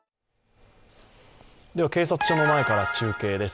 警察署の前から中継です。